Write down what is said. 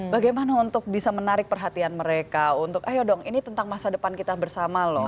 bagaimana untuk bisa menarik perhatian mereka untuk ayo dong ini tentang masa depan kita bersama loh